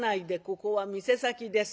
ここは店先です。